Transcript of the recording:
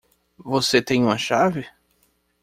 Você tem uma chave?